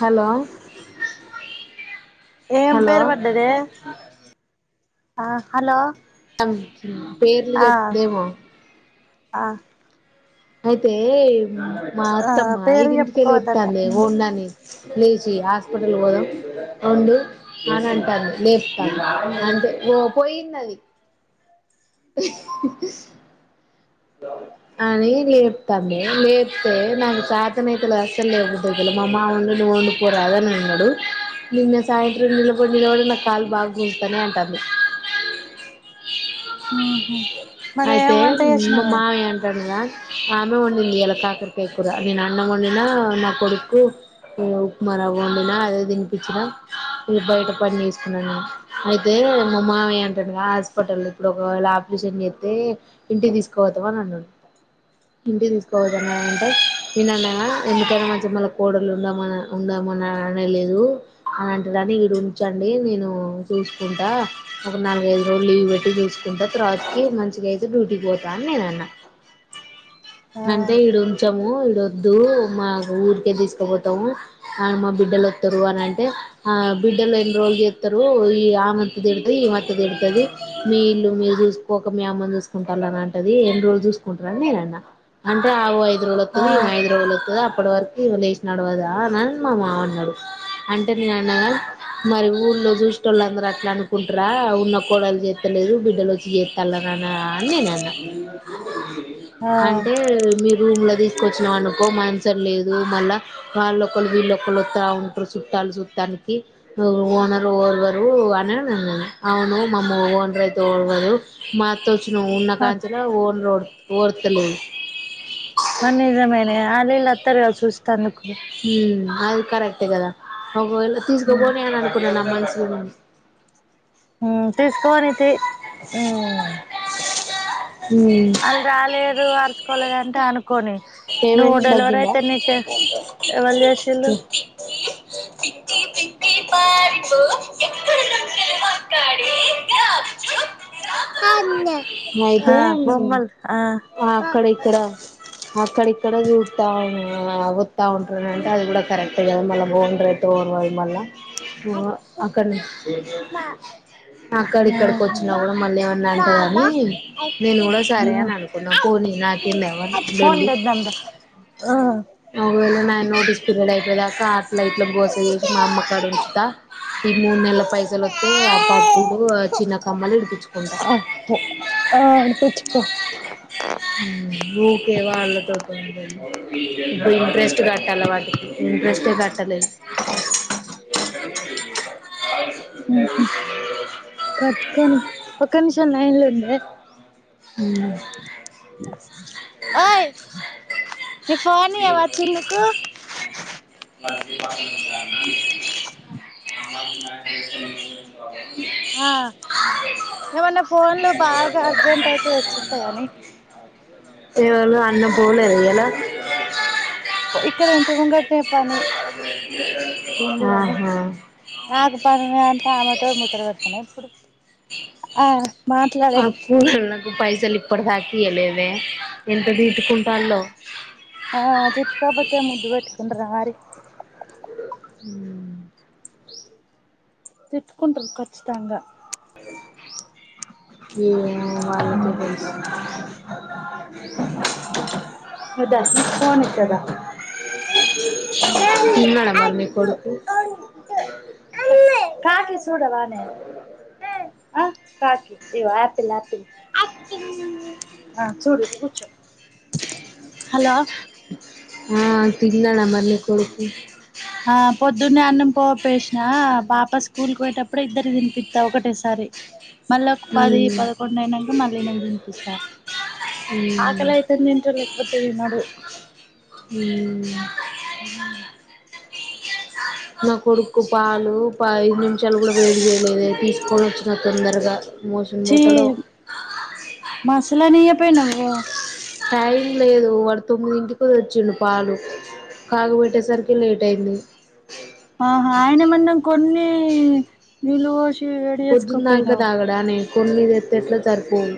Hello ఏం hello పేరు పడ్డదే ఆ హలో అమ్ పేర్లు ఆ చేప్పుడేమో ఆ అయితే మా ఆ అత్తమ్మ పేరు ఇదింటికే చెప్పుకోవద్దట లేపితండే మ్ [unintelligible] లేచి హాస్పిటల్ పోదాం వండు అని అంటాను లేపుతాండే అంటే పోయింది అది అని లేపుతండే లేపితే నాకు సాయతము అయితేలే అస్సలు లేబుద్ధి అయితలే మా మామా నువ్వు వండిపోరాద అని అన్నాడు నిన్న సాయంత్రం నిలబడి నిలబడి నాకు కాళ్లు బాగా గుంజుతన్నాయి అంటాంది. ఉహు మరి అయితే ఎమ్ వంట చేసుకు [unintelligible] ఆమె వండింది ఇలా కాకరకాయ కూర నేను అన్నం వండినా నా కొడుకు ఉప్మా రవ్వ వండినా అదే తినిపించిన ఇంగ బయట పని చేసుకున్నా నేనూ అయితే మా మామ అంటానుగాద హాస్పిటల్లో ఇప్పుడు ఒకవేళ ఆపరేషన్ చేత్తే ఇంటి కి తీసుకుపోతామ అని అన్నాడు ఇంటికి తీసుకోవద్దాంటే వినన్నాగా ఎందుకైనా మంచిగా మళ్ళ కోడలు ఉండమని ఉండమని అనే లేదు అని అంటడాని ఈడ ఉంచండి నేను చూసుకుంటా ఒక నాలుగైఐదు రోజులు లీవ్ పెట్టి చూసుకుంటా తర్వాతికి మంచిగా అయితే డ్యూ ఇ పోత అని నేను అన్న ఆ అంటే ఈ రూమ్ చో ఇడొద్దు మా ఊరికే తీసుకుపోతాము మా బిడ్డలు వస్తారు అని అంటే ఆ బిడ్డలు ఎన్ని రోజులు చేస్తారు ఆమె వత్తే తిడుతాది ఈమె వత్తే తిడుతాది మీ ఇల్లు మీరు చూసుకోక మీ అమ్మని చూసు కుంట అంటది ఎన్ని రోజులు చూసుకుంటారని నను అన్న అంటే ఆవు [unintelligible] ఐదు రోజులు ఆ వత్తాది అప్పటివరకు ఇవ లే వసినాడు కాదా అనిని మా మామ అన్నాడు అంటే నేను అన్నగా మరి ఊళ్ళో చూసిన వాళ్ళందరూ అట్లా అనుకుంటారా ఉన్న కోడలు చేస్తలేదు బిడ్డలు వచ్చి చేస్తాలని అన్న అని నేను అన్న అంటే ఆ మీ రూమ్ లో తీసుకొచ్చినాం అనుకోం మంచం లేదు మళ్ళా వాళ్ళొక్కరూ వీళ్ళొక్కరు వస్తా ఉంటారు. చుట్టాలు చుట్టానికి ఓనరు ఓడవరు అని అన్నాను. అవును మామ్మ ఓనర్ అయితే ఓడవరు మాతో [unintelligible] లో ఓనరోడు ఓర్త లేదు అవును నిజమనే అల్లు ఇల్లు వత్తర్ కదా చూస్తా అందకు హు అది కరెక్ట్ కదా ఒకవేళ మ్ చూసుకోబోతే అని అనుకున్నా నా మంచి ఆ హు తీసుకుపోనితీ హు ఉమ్, వాళ్లు రాలేరు అర్షుకోలేదంటే అనుకొని హేమన్ తగ్గిందా [inaudible] ఎవలు చేసిళ్ళు ప ప మాారిపో ఎక్కడ మాకాడ ఆ బొమ్మల్ ఆ అక్కడిక్కడ చత్తా వస్తూ ఉంటుందంటే అది కూడా కరెక్ట్ కదా మళ్ళా బోన్ రేట్ ఓన్ అది మళ్ళ అక్కడ ఆ అక్కడ ఇక్కడికి వచ్చినా కూడా మళ్ళ ఏమన్నా బాబా అంటదని నేను కూడా సరే అని అనుకున్నా పోనీ నాకేందవ్వా ఫోన్ లొల్లి తెద్దాం దా ఒకవేళ నా నోటీస్ పీరియడ్ అయిపోయేదాకా అట్ల ఇట్ల గోస చేసి మా అమ్మకాడ ఉంచుతా ఈ మూడు నెలల పైసలొత్తే ఆ పటీలు ఆ చిన్న కమ్మలు విడిపిచ్చు ఆ ప్ ఆ విడిపిచ్చుకో ఊరికే వాళ్ళ తోటి [inaudible] ఇప్పుడు ఇంట్రెస్ట్ కట్టాలి వాటికి ఇంట్రెస్టే కట్టలేదు కట్టుకొని ఒక్క నిమిషం లైన్లో ఉండే హ్మ్ ఓయ్ నీ ఫో నియ్యవా చిన్నుకు [inaudible] ఆ ఏమన్నా ఫోన్లు బాగా అర్జెంట్ అయితే తేచ్చిత్తా గాని ఎవలు అన్న పోలేదా ఇయ్యాల ఇక్కడ ఇంటి ముంగటనే పని బిందు కాని ఆహా నాకు పని ఉందంటే ఆమెతో ముచ్చట పెడతానా ఇప్పుడు ఆ మ ఆ కూళ్ళు నాకు పైసలు ఇప్పటిదాకా ఇయ్యలేదే ఎంత తిట్టుకుంటాల్లో ఆ తిట్టుకోకపోతే ముద్దు పెట్టుకుంటారా మరి మ్మ్ తిట్టుకుంటారు ఖచ్చితంగా ఏమో వాళ్ళకే తెలుసు మీ దస్ ఇస్తాంది కదా తిన్నాడా మరి నీ కొడుకు కాదూస్ చూడవానేే ఆ కాకి ఇగో ఆపిల్ ఆపిల్ ఆ చూడు కూర్చో హలో ఆ తిన్నడా మరి నీ కొడుకు ఆ పొద్దున్నే అన్నం పో పేసినా పాప స్కూల్కి పోయేటప్పుడే ఇద్దరుకి తినిపిత్తా ఒకటేసారి మళ్ళీ ఒక పది హ్మ్ పదకొండు అయినాక మళ్లీ ఈయనకు తినిపిస్తా హ్మ్ ఆకలి అయితేనే తింటాడు లేకపోతే తిన్నాడు హ్మ్ నా కొడుకు పాలు ప నిమిషాలు కూడా వేడి చేయలేదు కోన వచ్చిన తొందరగా మోసం పోతాడు నియ పైన పో టైం లేదు వాడు తొమ్మిది ఇంటికిది వచ్చిండు పాలు కాగబెట్టేసరికి లేట్ అయింది ఆహా ఆయన మనం కొన్ని వలు పొద్దుందాంక దాగడానే కొన్నిది ఎత్తేట్లు సరిపోవు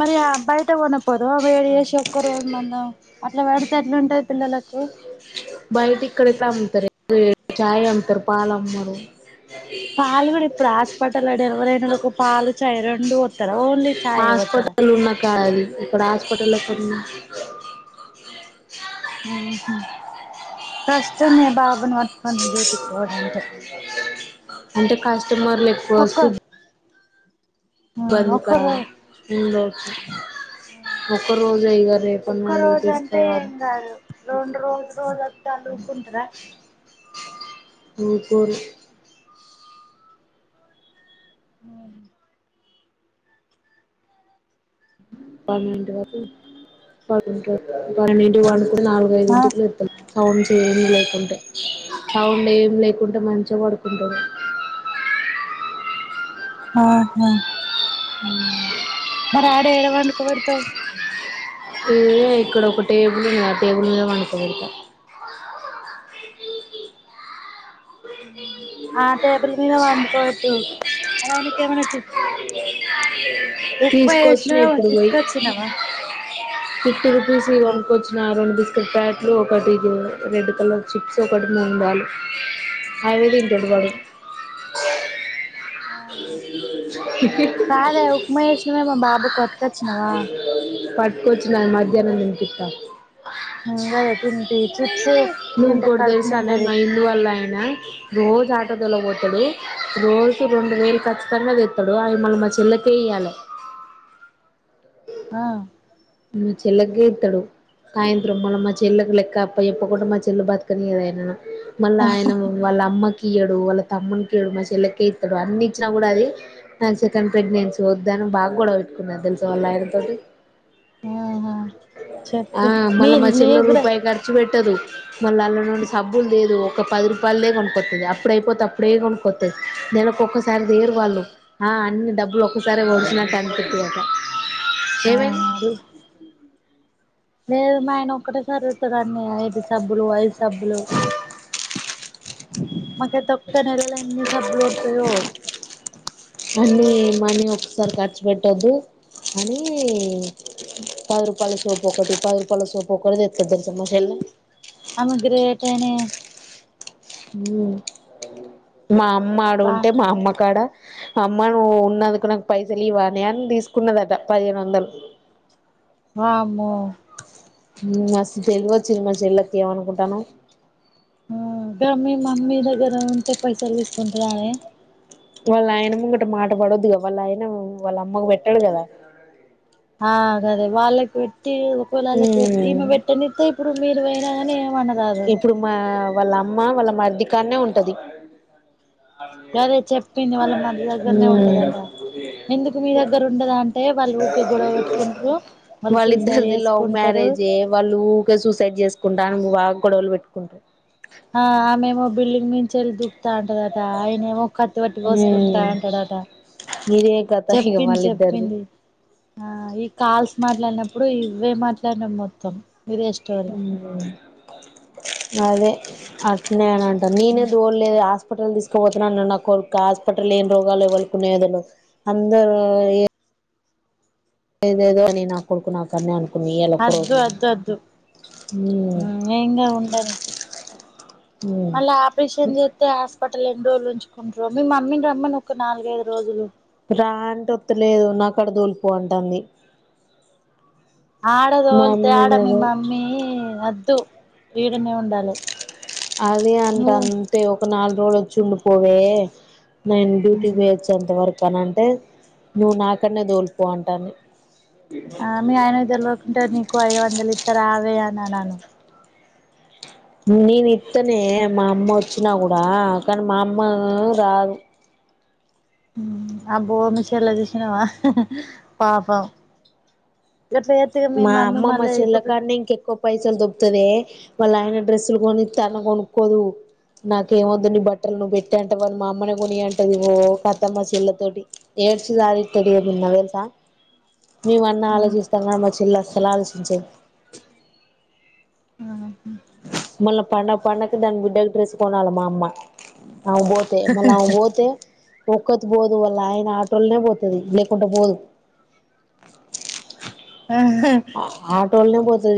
మరి అబ్బాయితే కొనపోదు వేడి చేసి ఒక్క రోజు మందం అట్లా పెడితే అట్లాంటాది పిల్లలకు బయట ఇక్కడైతే అమ్ముతారు చాయ్ అమ్తారు పాలు అమ్మరు పాలు కూడా ఇప్పుడు ఆస్పటాలడు ఎల్వరన ఒక పాలు చాయ్ రెండు పోతారా ఓన్లీ చాయ్ పోతారా హాస్పిటల్ ఉన్న కాడ అది ఇక్కడ హాస్పిటల్లో పర్న్నా ఉహుమ్ కష్టమే బాబన పక్కను డ్యూటీకి పోవాలి అంటే అంటే కాష ష్ట మర్ లే ఎక్కువ వస్తు ఆ ఒక్క రో ఇబ్బందికరలుు ఒకరోజైగా రేపటి ఒక్క నుండి రోజు అంటే తీసువాలి ఏం కాదు రెండు రోజు రోజు వత్తే ఆళ్ళు ఊకుంటరా ఇపర ఉమ్ పన్నెడు వరకు పన్నెడు వరకు పన్నెండు వం కూడా నాలుగుఐదు ఆ ఇంటికి ఎత్తం సౌండ్ చేయం లేకుంటే సౌండ్ ఏం లేకుంటే మంచిగా పడుకుంటుండు ఆహా అ మరీ ఆడ ఏడ పనుకోబడతవ్ ఏ ఇద ఇక్కడ ఒక టేబుల్ ఉన్నది ఆ టేబుల్ మీద వంకోగట ఉమ్ ఆ టేబుల్ మీద వండుకోవట్టు అలా అనక ఎమనాటు ఎక్ప్పై వచ్చినార మ తీసుకొచ్చినవా ఇ తిరుపిసి వరకు వచ్చినారండు క్రిపాట్లు ఒకటి రెడ్ కలర్ చిప్స్ ఒకటి మోంగ్డాల్ అవే తిన్నాడు వాడు హే హే కాదే హే ఉప్మా చేసినవేమో మా బాబుకు పట్టుకొచ్చినవా ప్యాట్ కోచి మాధ్యనం నుంచి ఇథా హంగా తి [unintelligible] నువ్వు కూడా తెలుసానే మా ఇందు వల్ల అయినా రోజు ఆటో దలబతాడు రోజు రెండు వేలు ఖచ్చితంగాది ఇస్తాడు ఆవి మళీ మా చెల్లకే ఇయాలి ఆ మా చెల్లకే ఇస్తాడు సాయంత్రం మళ్ళ మా చెల్లకి లెక్క అప్ప చెప్పకుండా మా చెల్లలు బతుకని ఏదయనా మళ్ళా ఆయన వాళ్ళ అమ్మకి వాళ్ళ తమ్మునికిడు మా చెల్లెకే ఇస్తాడు అన్ని ఇచ్చిన కూడా అది నా సెకండ్ ప్రెగ్నెన్సీ వద్ద అని బాగా కూడా పెట్టుకున్నా తెలుస వాళ్ళ ఆయనతోటి ఆహా ఆ చెప్పి మీ మళ మ నీ చాలో కూడా రూపాయ కెర్చు పెట్టదు మళ్ళీ అళ్ళ నుండి సబ్బులు లేదు ఒక పది రూపాయలద కొనుక్కొతుది అప్పుడు అయిపోతే అప్పుడే కొనుక్కతుది నెలకొక్కసారి దేరు వాళ్ళు ఆ అన్ని డబ్బులు ఒక్కసారి వడిసినట్టు అనిపిట్ కద ఏమై [unintelligible] లేదు మా ఆయన ఒక్కటే సరివుతుదడిది సబ్బులు వయి సబ్బులు మక తక్క్క నలల ఎన్ని సబ్లోడ్తుయ అన్నీ మనీ ఒకసారి ఖర్చు పెట్టొద్దు అని పది రూపాయల సోపు ఒకటి పది రూపాయల సోపు ఒకటి తెతుొద్దం సమషలా ఆమగ్రటనే [unintelligible] మా అమ్మ ఆడు బా ఉంటే మా అమ్మ కాడ అమ్మా నువ్వు ఉన్నందుకు నాకు పైస లీవ్ అనే అని తీసుకున్నదట పదిహేను వందలు మము మస్తు తెలివ వచ్చింది మ చెల్లకి ఏమనుకుంటాను మ్ మీ మమ్మీ దగ్గర ఉంటే పైసలు తీసుకుంటుద అనే వాళ్ళ ఆయన ముంగట మాట పడద్ వాళ్ళ ఆయన వాళ్ళ అమ్మకు పెట్టడు కదా ఆదే ధ వాళ్ళకిట్ ఒకేళ్ళకి పెట్ ఈమె పెట్టని ఇప్పుడు మీరు వేనాని ఎమ్ అనా ఇప్పుడు మా వాళ్ళ అమ్మ వాళ్ళ మర్దికానే ఉంటది గదే చెప్పింది వాళ్ళ మరిది దగ్గరనే ఉంటదట ఎందుకు మీ దగ్గర ఉండదా అంటే వాళ్ళు ఊకే గొడవ పెట్టుకుంట్రు వాళ్ళు సూసైడ్ వాళ్ళిద్దరిది లవ్ చేసుకుంటరు మ్యారేజే వాళ్ళు ఊకే సూసైడ్ చేసుకుంట నికి బాగా గొడవలు పెట్టుకుంటాారు ఆ ఆమె మా బల్డింగ్ మించెల్దు అంటదట ఆయన ఏమో కత్తి పట్టి కోసుకుంటా ఉమ్ అంటాడాట ఇదే కథ ఇగ చెప్పింది వాళ్ళిద్దరిది చెప్పింది ఆ ఈ కాల్స్ మాట్లాడినప్పుడు ఇవే మాట్లాడడం మొత్తం ఇదే స్టోరీ అదే అట్నేనండి ననే దోల్లేదు హాస్పిటల్ తీసుకుపోతున్నా నా కొ హాస్పిటల్ ఏం రోగాలు ఎవడుకునేదలో అందరు ఏ లేదేదో అని నా కొడుకు నా అన్న అనుకు వద్దు వద్దు వద్దు ఉమ్ ఉ ఏంగా ఉండండి ఉమ్ మల్లా ఆపరేషన్ జెతే అప్పట్ల రెండు రోజులు ఉంచుకుంట్రో, మీ మమ్మీని రమ్మను ఒక నాలుగైదు రోజులు రా అంట ఒత్తు లేదు నాకాడ దూలిపో అంటుంది. ఆడద వోలితే మమ్మీ ఆడ మీ నేమో మమ్మీ వద్దు గీడనే ఉండాలి. అదే నువ్వు అంటంటే ఒ నాలుగు రోలు వచ్చి ఉండి పోవే నైను డ్యూటీ చెయొచ్చు అంత వరకు కాన అంటే నువ్వు నాక్కడనే దోల్పో అంటాన్ని ఆ మీ ఆయన ఇద్దరులోకుంటారు నీకు ఐదు వందలు ఇస్త రావే అ నా నాను నేను ఇత్తనే మా అమ్మ వచ్చినా కూడా కానీ మా అమ్మ రాదు. అబ్బో మిషల చుశినవా పాపం గట్ల చేస్తే మీ మా మమ్మీ అమ్మమ్మ మళ్ళీ ఇప్పుడు చెల్లకాన్నే ఇంకెక్కువ పైసలు దొబ్బితదే. వాళ్ళు ఆయన డ్రెస్సులు కొనిత్త అన్న కొనుక్కోదు. నాకెమేద్దు నీ బట్టలు నువ్వు పెట్టే అంట వాళ మా అమ్మనే కొని అంటది. ఒ కత మా చెల్ల తోటి ఏడ్చి సాదిత్తది ఎదున్న తెలుసా. మేముమన్న ఆలోచిస్తా మ చె ఫలాల్ స్విచ్ ఎ ఆ మళ్ళ పడా పండక్కి దాని బిడ్డ కు డ్రెస్ కొనాల మా అమ్మా అవు పోతే మళ్ళీ అ పోతే ఒక్కొతి పోదు వాల్ల ఆయన ఆటోలనే పోతది లేకుండా పోదు. ఆహ టోలేనే పోతది